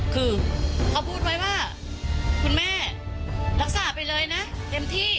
คือเขาพูดไว้ว่าคุณแม่รักษาไปเลยนะเต็มที่